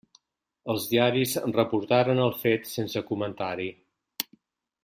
Els diaris reportaren el fet sense comentari.